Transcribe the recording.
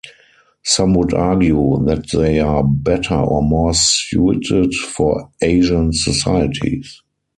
Some would argue that they are better or more suited for Asian societies.